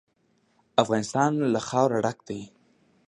افغانستان له خاوره ډک دی.